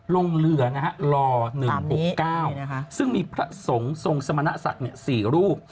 ลงเรือล๑๖๙ซึ่งมีพระสงฆ์ทรงสมณศักดิ์๔รูป